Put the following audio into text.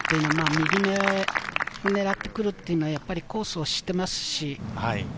右めを狙ってくるのはコースを知っていますし。